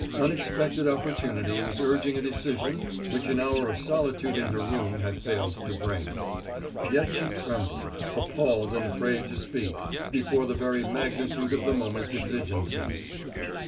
Unexpected opportunity was urging a decision which an hour of solitude in her room had failed to bring. Yet she trembled, appalled and afraid to speak, before the very magnitude of the moment's exigency.